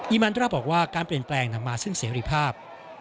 มันดราบอกว่าการเปลี่ยนแปลงนำมาซึ่งเสรีภาพ